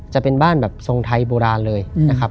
จะเป็นบ้านแบบทรงไทยโบราณเลยนะครับ